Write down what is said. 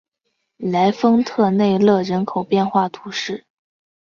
莱丰特内勒人口变化图示